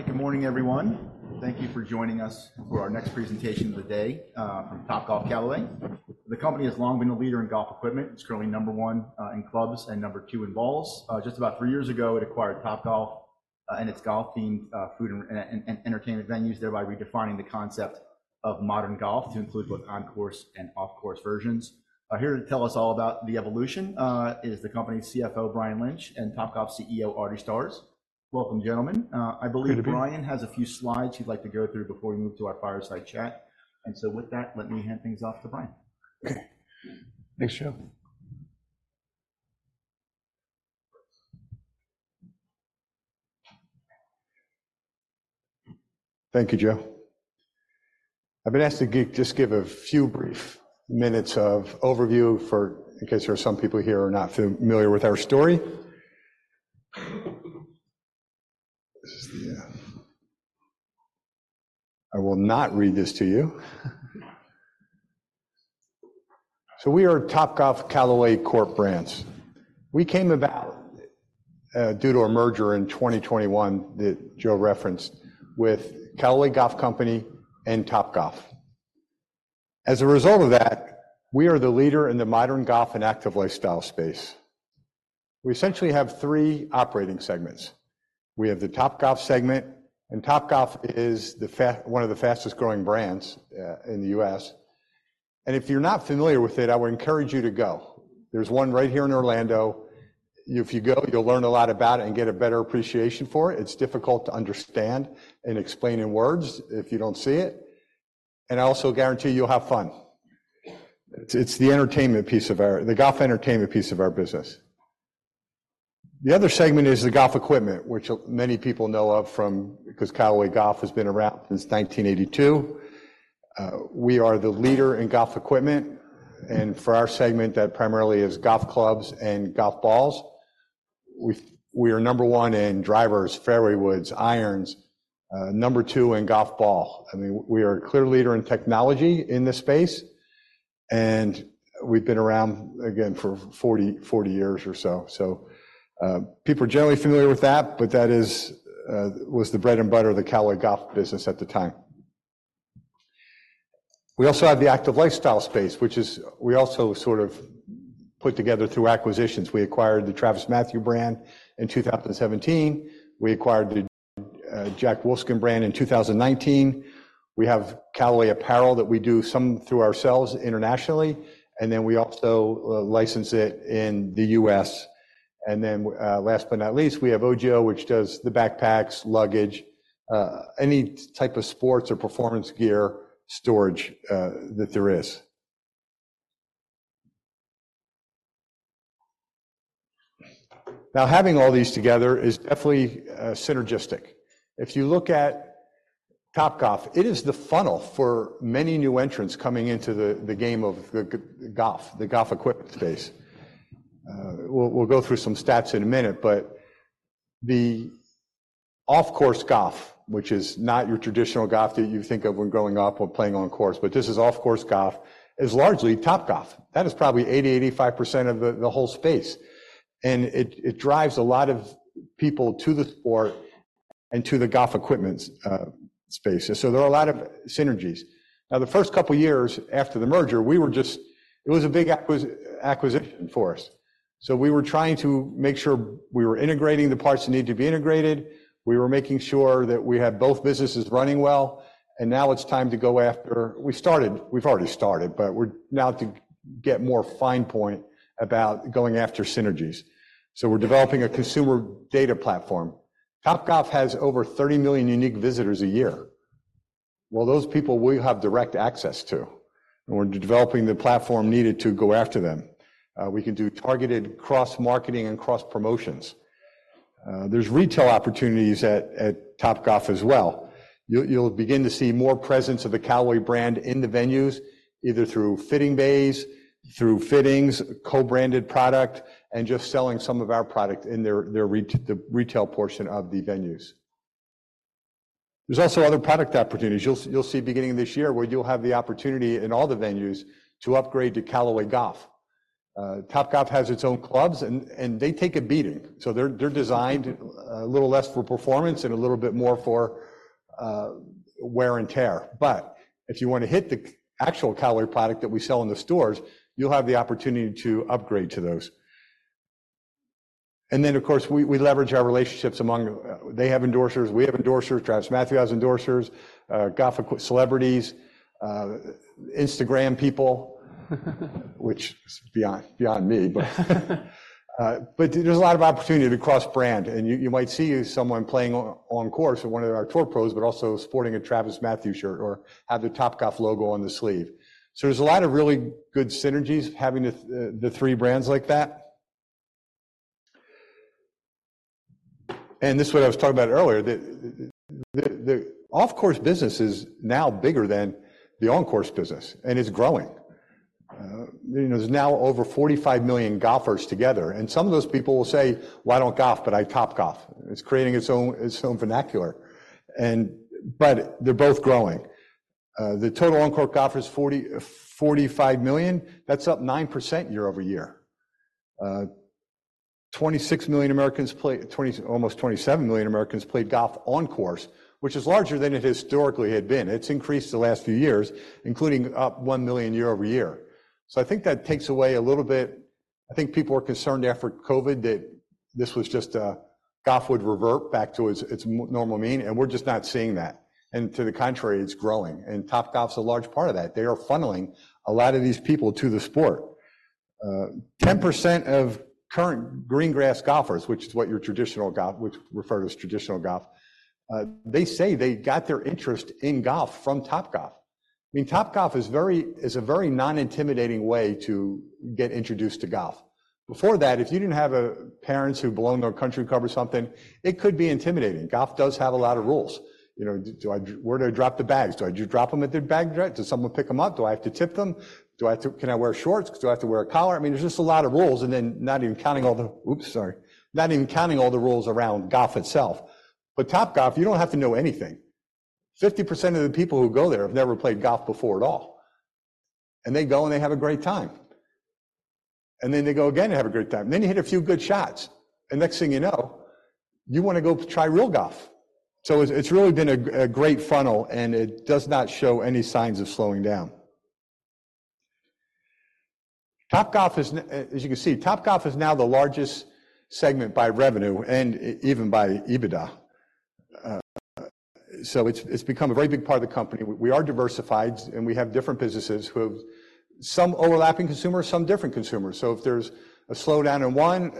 All right, good morning, everyone. Thank you for joining us for our next presentation of the day, from Topgolf Callaway. The company has long been a leader in golf equipment. It's currently number one in clubs and number two in balls. Just about three years ago, it acquired Topgolf, and its golf-themed food and entertainment venues, thereby redefining the concept of modern golf to include both on-course and off-course versions. Here to tell us all about the evolution is the company's CFO, Brian Lynch, and Topgolf CEO, Artie Starrs. Welcome, gentlemen. I believe Brian has a few slides he'd like to go through before we move to our fireside chat. And so with that, let me hand things off to Brian. Okay. Thanks, Joe. Thank you, Joe. I've been asked to just give a few brief minutes of overview for, in case there are some people here who are not familiar with our story. This is the. I will not read this to you. So we are Topgolf Callaway Brands Corp. We came about due to a merger in 2021 that Joe referenced with Callaway Golf Company and Topgolf. As a result of that, we are the leader in the modern golf and active lifestyle space. We essentially have three operating segments. We have the Topgolf segment, and Topgolf is the one of the fastest-growing brands in the U.S. And if you're not familiar with it, I would encourage you to go. There's one right here in Orlando. If you go, you'll learn a lot about it and get a better appreciation for it. It's difficult to understand and explain in words if you don't see it. And I also guarantee you'll have fun. It's, it's the entertainment piece of our the golf entertainment piece of our business. The other segment is the golf equipment, which many people know of from 'cause Callaway Golf has been around since 1982. We are the leader in golf equipment. And for our segment, that primarily is golf clubs and golf balls. We, we are number one in drivers, fairway woods, irons, number two in golf ball. I mean, we are a clear leader in technology in this space, and we've been around, again, for 40, 40 years or so. So, people are generally familiar with that, but that is, was the bread and butter of the Callaway Golf business at the time. We also have the active lifestyle space, which is we also sort of put together through acquisitions. We acquired the TravisMathew brand in 2017. We acquired the Jack Wolfskin brand in 2019. We have Callaway apparel that we do some through ourselves internationally, and then we also license it in the US. Last but not least, we have OGIO, which does the backpacks, luggage, any type of sports or performance gear storage that there is. Now, having all these together is definitely synergistic. If you look at Topgolf, it is the funnel for many new entrants coming into the game of golf, the golf equipment space. We'll go through some stats in a minute, but the off-course golf, which is not your traditional golf that you think of when growing up or playing on course, but this is off-course golf, is largely Topgolf. That is probably 80%-85% of the whole space. And it drives a lot of people to the sport and to the golf equipment space. So there are a lot of synergies. Now, the first couple of years after the merger, we were just, it was a big acquisition for us. So we were trying to make sure we were integrating the parts that needed to be integrated. We were making sure that we had both businesses running well. And now it's time to go after. We've already started, but we're now to get more fine point about going after synergies. We're developing a consumer data platform. Topgolf has over 30 million unique visitors a year. Well, those people we have direct access to, and we're developing the platform needed to go after them. We can do targeted cross-marketing and cross-promotions. There's retail opportunities at Topgolf as well. You'll begin to see more presence of the Callaway brand in the venues, either through fitting bays, through fittings, co-branded product, and just selling some of our product in their retail, the retail portion of the venues. There's also other product opportunities. You'll see beginning of this year where you'll have the opportunity in all the venues to upgrade to Callaway Golf. Topgolf has its own clubs, and they take a beating. So they're designed a little less for performance and a little bit more for wear and tear. But if you want to hit the actual Callaway product that we sell in the stores, you'll have the opportunity to upgrade to those. And then, of course, we leverage our relationships among, they have endorsers. We have endorsers. TravisMathew has endorsers, golf celebrities, Instagram people, which is beyond me. But there's a lot of opportunity to cross-brand. And you might see someone playing on course or one of our tour pros but also sporting a TravisMathew shirt or have the Topgolf logo on the sleeve. So there's a lot of really good synergies having the three brands like that. And this is what I was talking about earlier, that the off-course business is now bigger than the on-course business, and it's growing. You know, there's now over 45 million golfers together. Some of those people will say, "Why don't golf, but I Topgolf?" It's creating its own, its own vernacular. But they're both growing. The total on-course golfers is 40-45 million. That's up 9% year-over-year. 26 million Americans play almost 27 million Americans played golf on course, which is larger than it historically had been. It's increased the last few years, including up 1 million year-over-year. So I think that takes away a little bit. I think people were concerned after COVID that this was just, golf would revert back to its, its normal mean, and we're just not seeing that. And to the contrary, it's growing. And Topgolf's a large part of that. They are funneling a lot of these people to the sport. 10% of current green grass golfers, which is what your traditional golf which refer to as traditional golf, they say they got their interest in golf from Topgolf. I mean, Topgolf is very is a very non-intimidating way to get introduced to golf. Before that, if you didn't have parents who belong to their country club or something, it could be intimidating. Golf does have a lot of rules. You know, do I where do I drop the bags? Do I just drop them at their bag drop? Does someone pick them up? Do I have to tip them? Do I have to can I wear shorts? Do I have to wear a collar? I mean, there's just a lot of rules and then not even counting all the oops, sorry. Not even counting all the rules around golf itself. But Topgolf, you don't have to know anything. 50% of the people who go there have never played golf before at all. And they go, and they have a great time. And then they go again and have a great time. Then you hit a few good shots, and next thing you know, you want to go try real golf. So it's, it's really been a, a great funnel, and it does not show any signs of slowing down. Topgolf is, as you can see, Topgolf is now the largest segment by revenue and even by EBITDA. So it's, it's become a very big part of the company. We, we are diversified, and we have different businesses who have some overlapping consumers, some different consumers. So if there's a slowdown in one,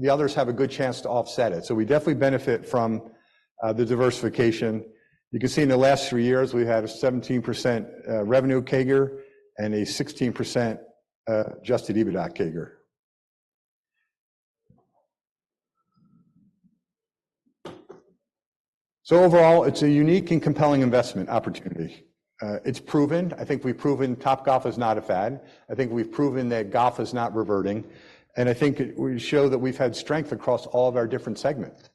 the others have a good chance to offset it. So we definitely benefit from the diversification. You can see in the last three years, we've had a 17% revenue CAGR and a 16% adjusted EBITDA CAGR. So overall, it's a unique and compelling investment opportunity. It's proven. I think we've proven Topgolf is not a fad. I think we've proven that golf is not reverting. And I think we show that we've had strength across all of our different segments.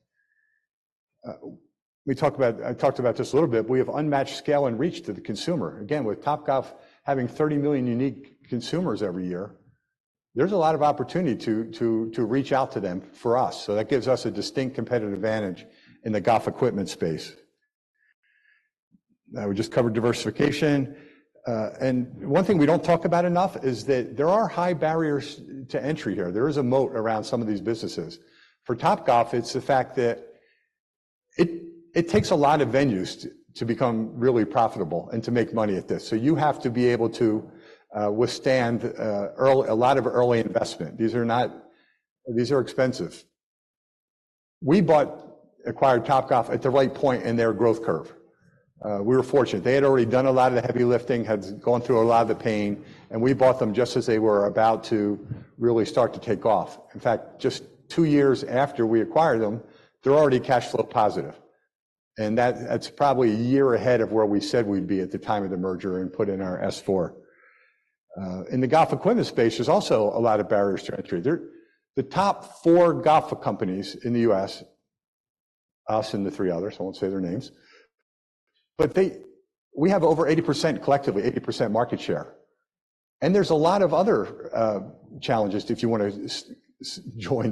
We talked about, I talked about this a little bit. We have unmatched scale and reach to the consumer. Again, with Topgolf having 30 million unique consumers every year, there's a lot of opportunity to, to, to reach out to them for us. So that gives us a distinct competitive advantage in the golf equipment space. Now, we just covered diversification. One thing we don't talk about enough is that there are high barriers to entry here. There is a moat around some of these businesses. For Topgolf, it's the fact that it takes a lot of venues to become really profitable and to make money at this. So you have to be able to withstand a lot of early investment. These are expensive. We acquired Topgolf at the right point in their growth curve. We were fortunate. They had already done a lot of the heavy lifting, had gone through a lot of the pain, and we bought them just as they were about to really start to take off. In fact, just two years after we acquired them, they're already cash flow positive. That that's probably a year ahead of where we said we'd be at the time of the merger and put in our S-4. In the golf equipment space, there's also a lot of barriers to entry. There, the top four golf companies in the U.S., us and the three others. I won't say their names. But they we have over 80% collectively, 80% market share. And there's a lot of other challenges if you want to join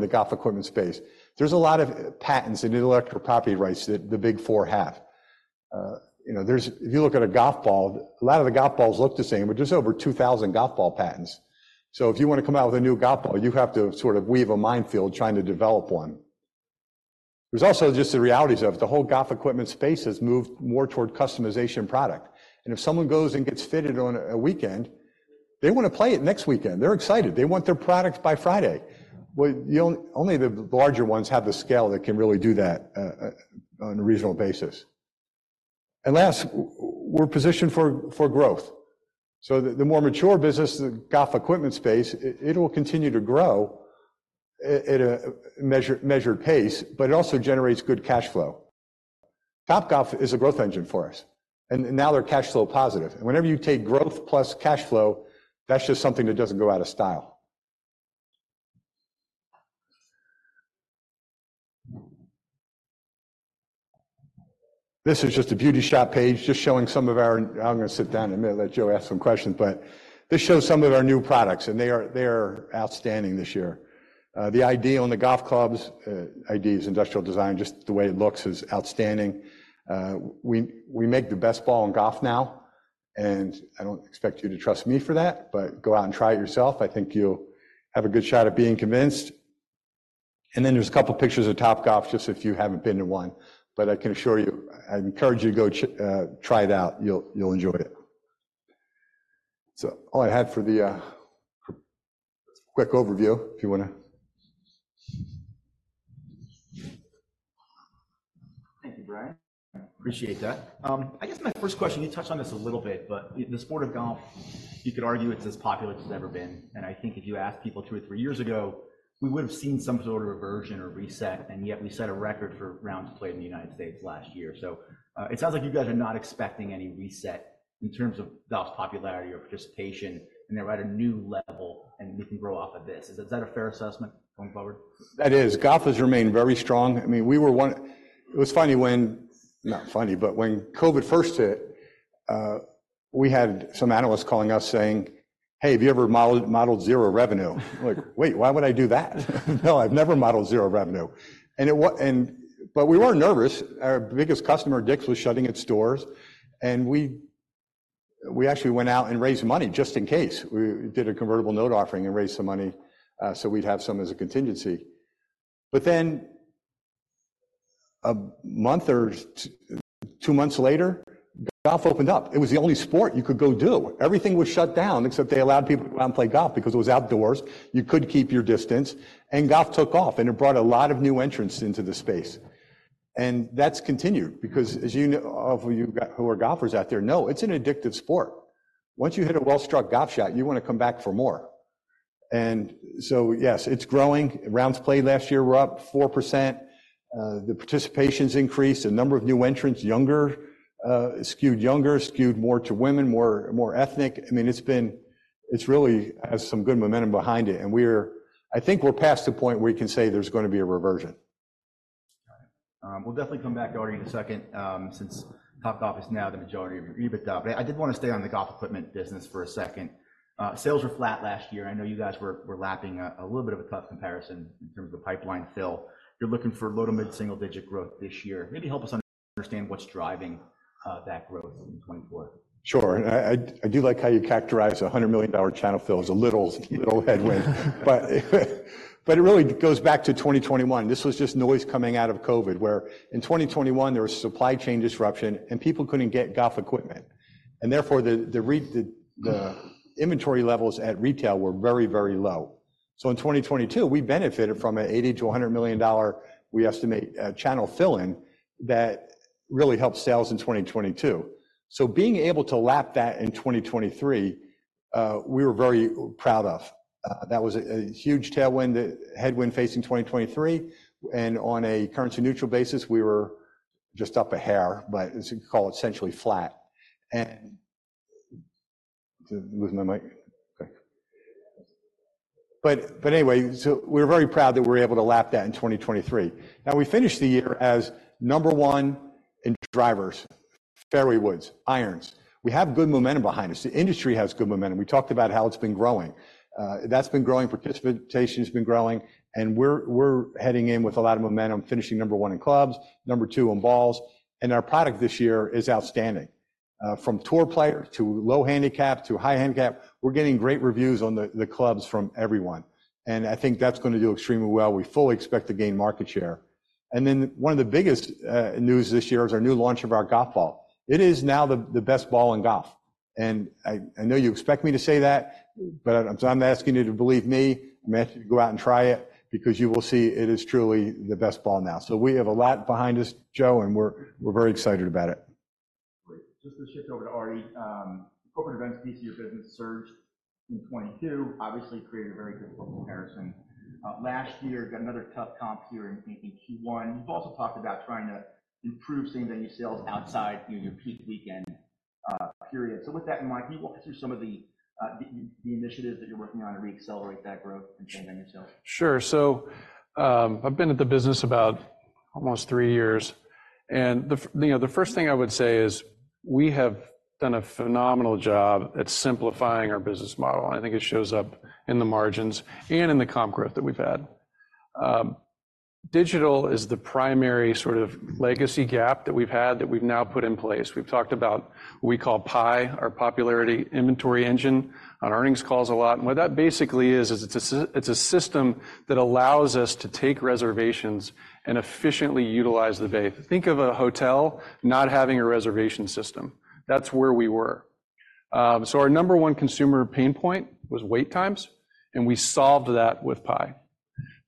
the golf equipment space. There's a lot of patents and intellectual property rights that the big four have. You know, there's, if you look at a golf ball, a lot of the golf balls look the same, but there's over 2,000 golf ball patents. So if you want to come out with a new golf ball, you have to sort of weave a minefield trying to develop one. There's also just the realities of it. The whole golf equipment space has moved more toward customization product. If someone goes and gets fitted on a weekend, they want to play it next weekend. They're excited. They want their product by Friday. Well, you only the larger ones have the scale that can really do that, on a regional basis. Last, we're positioned for, for growth. The more mature business, the golf equipment space, it will continue to grow at a measured, measured pace, but it also generates good cash flow. Topgolf is a growth engine for us, and now they're cash flow positive. Whenever you take growth plus cash flow, that's just something that doesn't go out of style. This is just a beauty shop page just showing some of our. I'm going to sit down in a minute. Let Joe ask some questions. But this shows some of our new products, and they are outstanding this year. The AI on the golf clubs, AIs, industrial design, just the way it looks is outstanding. We make the best ball in golf now. And I don't expect you to trust me for that, but go out and try it yourself. I think you'll have a good shot at being convinced. And then there's a couple of pictures of Topgolf just if you haven't been to one. But I can assure you I encourage you to go try it out. You'll enjoy it. So all I had for the quick overview if you want to. Thank you, Brian. I appreciate that. I guess my first question you touched on this a little bit, but the sport of golf, you could argue it's as popular as it's ever been. And I think if you asked people 2 or 3 years ago, we would have seen some sort of aversion or reset, and yet we set a record for rounds played in the United States last year. So, it sounds like you guys are not expecting any reset in terms of golf's popularity or participation, and they're at a new level, and we can grow off of this. Is that a fair assessment going forward? That is. Golf has remained very strong. I mean, it was funny when not funny, but when COVID first hit, we had some analysts calling us saying, "Hey, have you ever modeled 0 revenue?" Like, "Wait, why would I do that?" "No, I've never modeled 0 revenue." And it was, but we were nervous. Our biggest customer, Dick's, was shutting its doors, and we, we actually went out and raised money just in case. We did a convertible note offering and raised some money, so we'd have some as a contingency. But then a month or two months later, golf opened up. It was the only sport you could go do. Everything was shut down except they allowed people to go out and play golf because it was outdoors. You could keep your distance. And golf took off, and it brought a lot of new entrants into the space. And that's continued because, as you know of you who are golfers out there, no, it's an addictive sport. Once you hit a well-struck golf shot, you want to come back for more. And so, yes, it's growing. Rounds played last year, we're up 4%. The participation's increased. The number of new entrants, younger, skewed younger, skewed more to women, more ethnic. I mean, it's been. It's really has some good momentum behind it. And we're. I think we're past the point where we can say there's going to be a reversion. Got it. We'll definitely come back to Artie in a second, since Topgolf is now the majority of your EBITDA. But I did want to stay on the golf equipment business for a second. Sales were flat last year. I know you guys were lapping a little bit of a tough comparison in terms of the pipeline fill. You're looking for low- to mid-single-digit growth this year. Maybe help us understand what's driving that growth in 2024. Sure. I do like how you characterize a $100 million channel fill as a little headwind. But it really goes back to 2021. This was just noise coming out of COVID where in 2021, there was supply chain disruption, and people couldn't get golf equipment. And therefore, the retail inventory levels at retail were very, very low. So in 2022, we benefited from an $80 million-$100 million, we estimate, channel fill-in that really helped sales in 2022. So being able to lap that in 2023, we were very proud of. That was a huge tailwind, headwind facing 2023. And on a currency-neutral basis, we were just up a hair, but you could call it essentially flat. And losing my mic. Okay. But anyway, so we were very proud that we were able to lap that in 2023. Now, we finished the year as number one in drivers, fairway woods, irons. We have good momentum behind us. The industry has good momentum. We talked about how it's been growing. That's been growing. Participation's been growing. We're, we're heading in with a lot of momentum, finishing number 1 in clubs, number 2 in balls. Our product this year is outstanding. From tour player to low handicap to high handicap, we're getting great reviews on the, the clubs from everyone. I think that's going to do extremely well. We fully expect to gain market share. One of the biggest news this year is our new launch of our golf ball. It is now the, the best ball in golf. I, I know you expect me to say that, but I'm asking you to believe me. I'm asking you to go out and try it because you will see it is truly the best ball now. So we have a lot behind us, Joe, and we're, we're very excited about it. Great. Just to shift over to Artie, corporate events piece of your business surged in 2022, obviously created a very difficult comparison. Last year, got another tough comp here in Q1. You've also talked about trying to improve same venue sales outside your peak weekend period. So with that in mind, can you walk us through some of the, the initiatives that you're working on to reaccelerate that growth and same venue sales? Sure. So, I've been at the business about almost three years. And the, you know, the first thing I would say is we have done a phenomenal job at simplifying our business model. And I think it shows up in the margins and in the comp growth that we've had. Digital is the primary sort of legacy gap that we've had that we've now put in place. We've talked about what we call Pi, our proprietary inventory engine, on earnings calls a lot. And what that basically is, is it's a system that allows us to take reservations and efficiently utilize the bay. Think of a hotel not having a reservation system. That's where we were. So our number one consumer pain point was wait times, and we solved that with PI.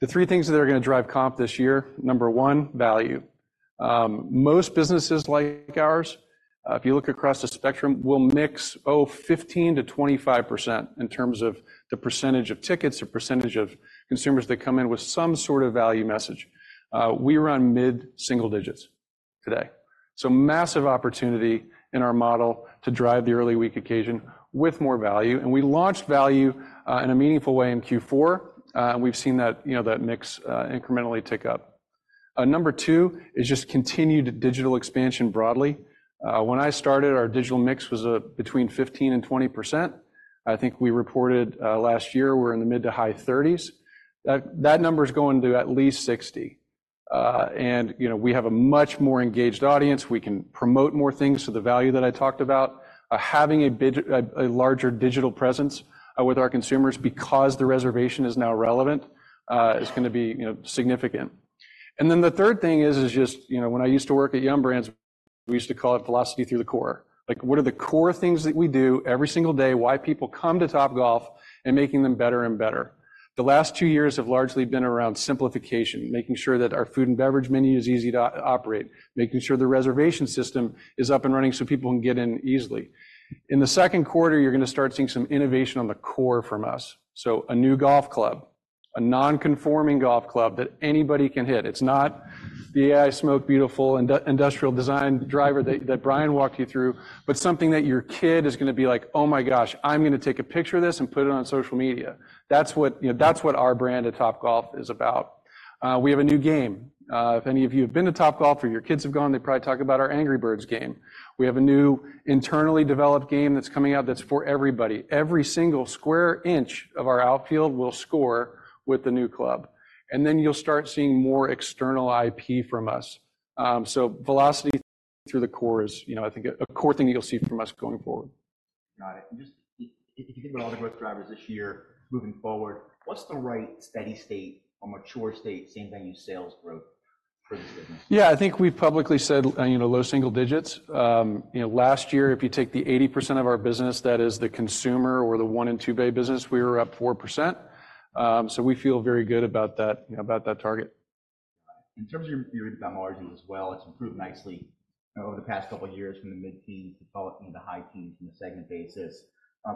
The three things that are going to drive comp this year, number one, value. Most businesses like ours, if you look across the spectrum, we'll mix, oh, 15%-25% in terms of the percentage of tickets, the percentage of consumers that come in with some sort of value message. We run mid-single digits today. So massive opportunity in our model to drive the early week occasion with more value. We launched value, in a meaningful way in Q4, and we've seen that, you know, that mix, incrementally tick up. Number two is just continued digital expansion broadly. When I started, our digital mix was between 15%-20%. I think we reported, last year, we're in the mid- to high-30s. That number's going to at least 60. You know, we have a much more engaged audience. We can promote more things to the value that I talked about. Having a big a larger digital presence, with our consumers because the reservation is now relevant, is going to be, you know, significant. Then the third thing is just, you know, when I used to work at Yum! Brands, we used to call it philosophy through the core. Like, what are the core things that we do every single day, why people come to Topgolf, and making them better and better. The last two years have largely been around simplification, making sure that our food and beverage menu is easy to operate, making sure the reservation system is up and running so people can get in easily. In the second quarter, you're going to start seeing some innovation on the core from us. So a new golf club, a non-conforming golf club that anybody can hit. It's not the Ai Smoke beautiful industrial design driver that Brian walked you through, but something that your kid is going to be like, "Oh my gosh, I'm going to take a picture of this and put it on social media." That's what, you know, that's what our brand at Topgolf is about. We have a new game. If any of you have been to Topgolf or your kids have gone, they probably talk about our Angry Birds game. We have a new internally developed game that's coming out that's for everybody. Every single square inch of our outfield will score with the new club. And then you'll start seeing more external IP from us. So velocity through the core is, you know, I think a core thing that you'll see from us going forward. Got it. And just if you think about all the growth drivers this year moving forward, what's the right steady state or mature state, same venue sales growth for this business? Yeah, I think we've publicly said, you know, low single digits. You know, last year, if you take the 80% of our business, that is the consumer or the one and two bay business, we were up 4%. So we feel very good about that, you know, about that target. Got it. In terms of your EBITDA margins as well, it's improved nicely over the past couple of years from the mid-teens to the high teens on a segment basis.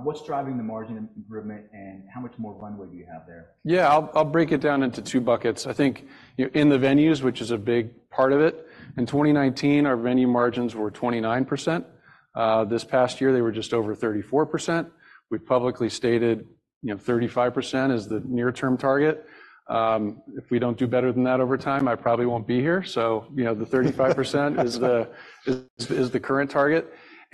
What's driving the margin improvement, and how much more runway do you have there? Yeah, I'll break it down into two buckets. I think, you know, in the venues, which is a big part of it. In 2019, our venue margins were 29%. This past year, they were just over 34%. We publicly stated, you know, 35% is the near-term target. If we don't do better than that over time, I probably won't be here. So, you know, the 35% is the is the current target.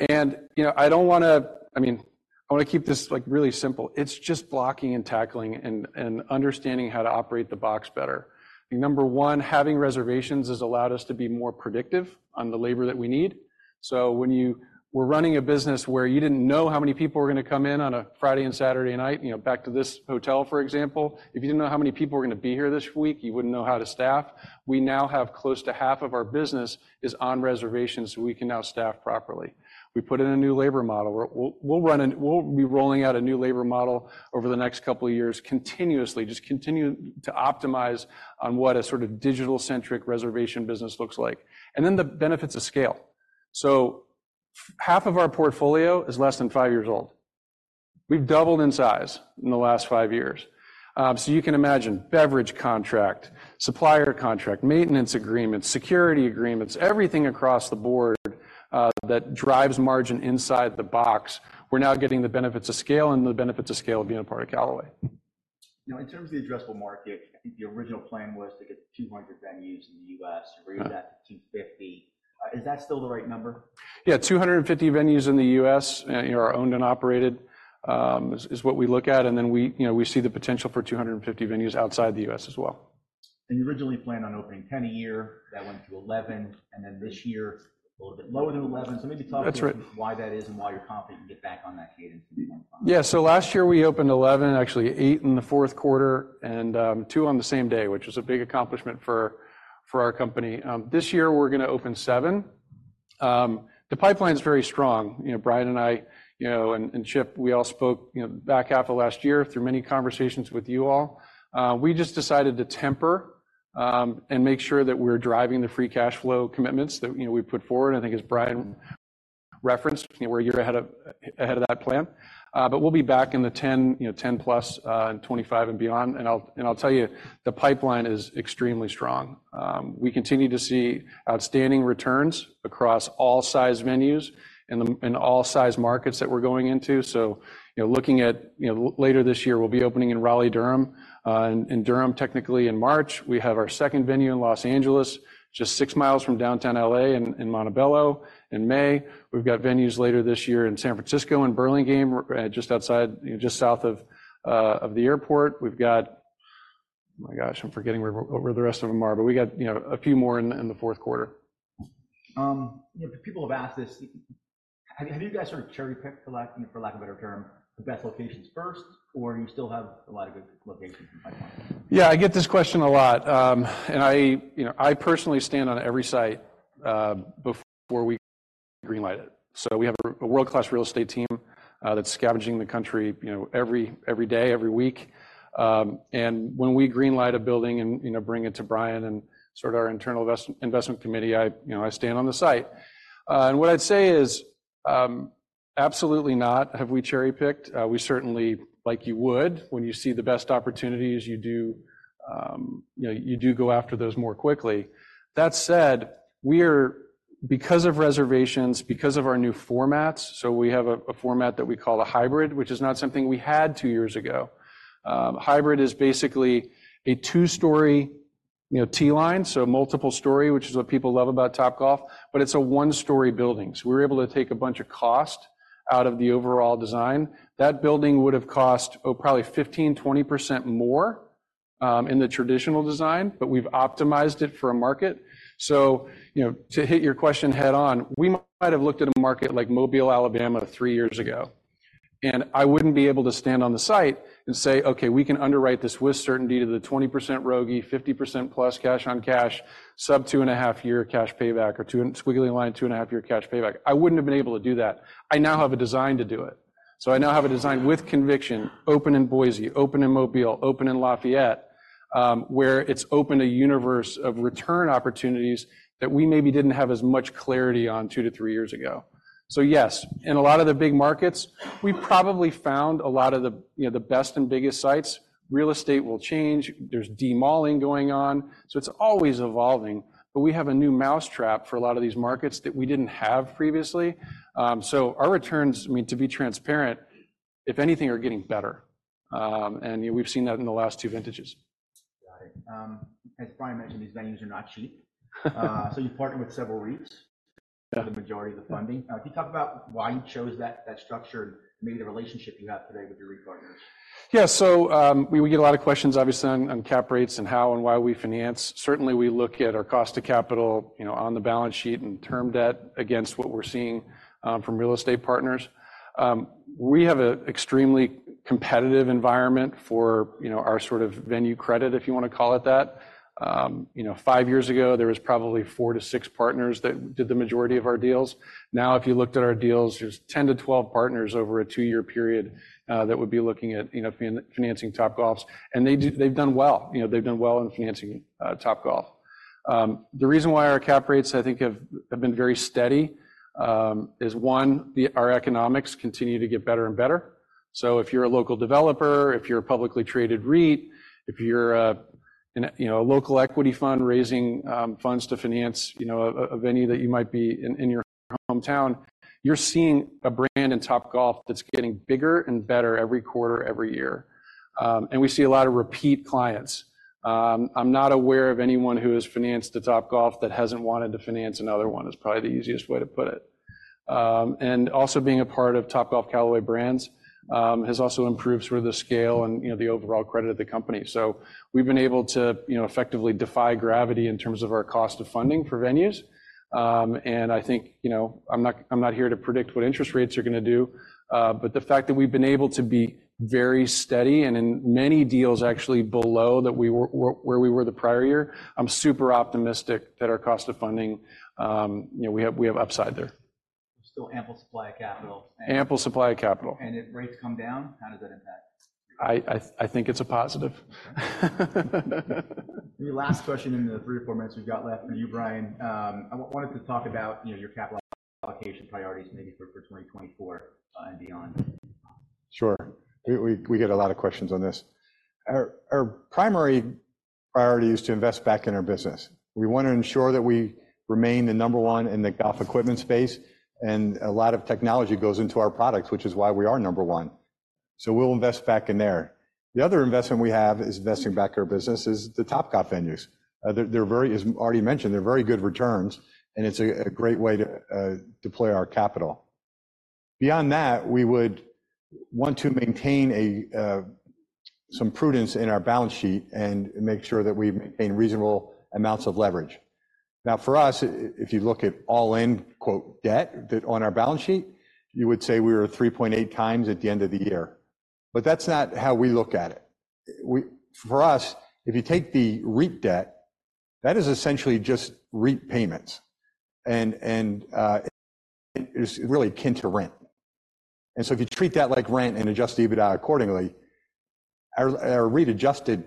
And, you know, I don't want to, I mean, I want to keep this like really simple. It's just blocking and tackling and understanding how to operate the box better. Number one, having reservations has allowed us to be more predictive on the labor that we need. So when you were running a business where you didn't know how many people were going to come in on a Friday and Saturday night, you know, back to this hotel, for example, if you didn't know how many people were going to be here this week, you wouldn't know how to staff. We now have close to half of our business is on reservations, so we can now staff properly. We put in a new labor model. We'll be rolling out a new labor model over the next couple of years continuously, just continue to optimize on what a sort of digital-centric reservation business looks like. And then the benefits of scale. So half of our portfolio is less than five years old. We've doubled in size in the last five years. So you can imagine beverage contract, supplier contract, maintenance agreements, security agreements, everything across the board, that drives margin inside the box. We're now getting the benefits of scale and the benefits of scale of being a part of Callaway. Now, in terms of the addressable market, the original plan was to get 200 venues in the U.S. We're at 250. Is that still the right number? Yeah, 250 venues in the U.S., you know, are owned and operated, is what we look at. And then we, you know, we see the potential for 250 venues outside the U.S. as well. And you originally planned on opening 10 a year. That went to 11. And then this year, a little bit lower than 11. So maybe talk to me why that is and why you're confident you can get back on that cadence in the next month? Yeah, so last year we opened 11, actually 8 in the fourth quarter, and 2 on the same day, which was a big accomplishment for our company. This year, we're going to open 7. The pipeline's very strong. You know, Brian and I, you know, and Chip, we all spoke, you know, back half of last year through many conversations with you all. We just decided to temper, and make sure that we're driving the free cash flow commitments that, you know, we put forward. I think as Brian referenced, you know, we're a year ahead of that plan. But we'll be back in the 10, you know, 10 plus and 25 and beyond. I'll tell you, the pipeline is extremely strong. We continue to see outstanding returns across all size venues and all size markets that we're going into. So, you know, looking at, you know, later this year, we'll be opening in Raleigh-Durham. In Durham, technically in March, we have our second venue in Los Angeles, just six miles from downtown LA in Montebello in May. We've got venues later this year in San Francisco and Burlingame, just outside, you know, just south of, of the airport. We've got oh my gosh, I'm forgetting where the rest of them are, but we got, you know, a few more in the fourth quarter. You know, people have asked this. Have you guys sort of cherry-picked for lack of a better term, the best locations first, or do you still have a lot of good locations in the pipeline? Yeah, I get this question a lot. I, you know, I personally stand on every site before we greenlight it. So we have a world-class real estate team that's scouring the country, you know, every, every day, every week. When we greenlight a building and, you know, bring it to Brian and sort of our internal investment committee, I, you know, I stand on the site. What I'd say is, absolutely not have we cherry-picked. We certainly, like you would, when you see the best opportunities, you do, you know, you do go after those more quickly. That said, we're, because of reservations, because of our new formats, so we have a format that we call a hybrid, which is not something we had two years ago. Hybrid is basically a two-story, you know, T-line, so multiple story, which is what people love about Topgolf, but it's a one-story building. So we were able to take a bunch of cost out of the overall design. That building would have cost, oh, probably 15%-20% more, in the traditional design, but we've optimized it for a market. So, you know, to hit your question head-on, we might have looked at a market like Mobile, Alabama, three years ago. And I wouldn't be able to stand on the site and say, "Okay, we can underwrite this with certainty to the 20% ROI, 50% plus cash on cash, sub-2.5-year cash payback, or 2~2.5-year cash payback." I wouldn't have been able to do that. I now have a design to do it. So I now have a design with conviction, open in Boise, open in Mobile, open in Lafayette, where it's open to a universe of return opportunities that we maybe didn't have as much clarity on 2-3 years ago. So yes, in a lot of the big markets, we probably found a lot of the, you know, the best and biggest sites. Real estate will change. There's demolition going on. So it's always evolving. But we have a new mousetrap for a lot of these markets that we didn't have previously. So our returns, I mean, to be transparent, if anything, are getting better. And you know, we've seen that in the last 2 vintages. Got it. As Brian mentioned, these venues are not cheap. So you partner with several REITs for the majority of the funding. Can you talk about why you chose that that structure and maybe the relationship you have today with your REIT partners? Yeah, so, we get a lot of questions, obviously, on on cap rates and how and why we finance. Certainly, we look at our cost of capital, you know, on the balance sheet and term debt against what we're seeing, from real estate partners. We have an extremely competitive environment for, you know, our sort of venue credit, if you want to call it that. You know, five years ago, there was probably four to six partners that did the majority of our deals. Now, if you looked at our deals, there's 10 to 12 partners over a two-year period, that would be looking at, you know, financing Topgolf's. And they do they've done well. You know, they've done well in financing, Topgolf. The reason why our cap rates, I think, have been very steady, is one, our economics continue to get better and better. So if you're a local developer, if you're a publicly traded REIT, if you're a, you know, a local equity fund raising funds to finance, you know, a venue that you might be in your hometown, you're seeing a brand in Topgolf that's getting bigger and better every quarter, every year. And we see a lot of repeat clients. I'm not aware of anyone who has financed a Topgolf that hasn't wanted to finance another one, is probably the easiest way to put it. And also being a part of Topgolf Callaway Brands has also improved sort of the scale and, you know, the overall credit of the company. So we've been able to, you know, effectively defy gravity in terms of our cost of funding for venues. And I think, you know, I'm not I'm not here to predict what interest rates are going to do. But the fact that we've been able to be very steady and in many deals actually below that we were where we were the prior year, I'm super optimistic that our cost of funding, you know, we have we have upside there. We're still ample supply of capital. Ample supply of capital. And if rates come down, how does that impact? I I think it's a positive. Maybe last question in the three or four minutes we've got left for you, Brian. I wanted to talk about, you know, your capital allocation priorities, maybe for for 2024 and beyond. Sure. We we get a lot of questions on this. Our primary priority is to invest back in our business. We want to ensure that we remain the number one in the golf equipment space. A lot of technology goes into our products, which is why we are number one. So we'll invest back in there. The other investment we have is investing back in our business: the Topgolf venues. They're very, as already mentioned, very good returns. And it's a great way to deploy our capital. Beyond that, we would want to maintain some prudence in our balance sheet and make sure that we maintain reasonable amounts of leverage. Now, for us, if you look at all-in debt on our balance sheet, you would say we were 3.8 times at the end of the year. But that's not how we look at it. Well, for us, if you take the REIT debt, that is essentially just REIT payments. And it's really akin to rent. And so if you treat that like rent and adjust EBITDA accordingly, our REIT adjusted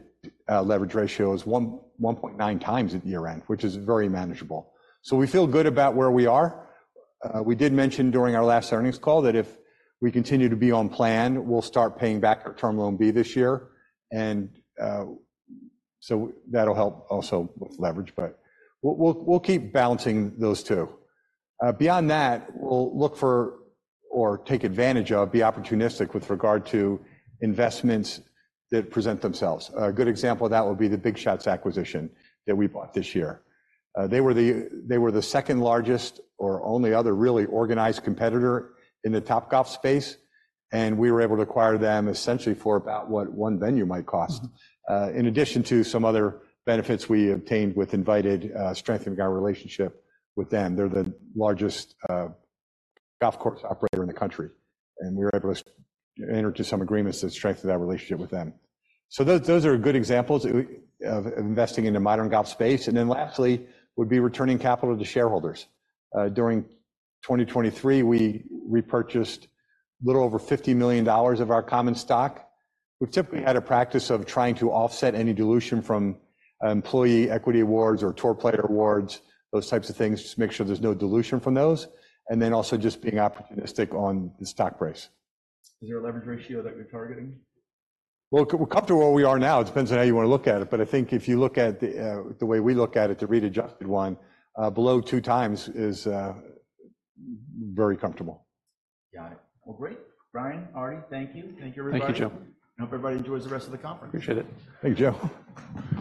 leverage ratio is 1.9 times at year-end, which is very manageable. So we feel good about where we are. We did mention during our last earnings call that if we continue to be on plan, we'll start paying back our Term Loan B this year. And so that'll help also with leverage, but we'll keep balancing those two. Beyond that, we'll look for or take advantage of, be opportunistic with regard to investments that present themselves. A good example of that would be the BigShots acquisition that we bought this year. They were the second largest or only other really organized competitor in the Topgolf space. And we were able to acquire them essentially for about what one venue might cost, in addition to some other benefits we obtained with Invited, strengthening our relationship with them. They're the largest golf course operator in the country. And we were able to enter into some agreements that strengthened that relationship with them. So those are good examples of investing in the modern golf space. And then lastly would be returning capital to shareholders. During 2023, we repurchased a little over $50 million of our common stock. We've typically had a practice of trying to offset any dilution from employee equity awards or tour player awards, those types of things, just make sure there's no dilution from those. And then also just being opportunistic on the stock price. Is there a leverage ratio that you're targeting? Well, we're comfortable where we are now. It depends on how you want to look at it. But I think if you look at the way we look at it, the REIT adjusted one, below two times is very comfortable. Got it. Well, great. Brian, Artie, thank you. Thank you, everybody. Thank you, Joe. I hope everybody enjoys the rest of the conference. Appreciate it. Thank you, Joe.